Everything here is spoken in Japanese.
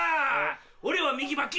俺は右巻き。